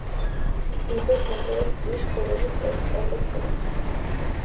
მისდევს ნახევრად წყლის ცხოვრების წესს; კარგად ცურავს.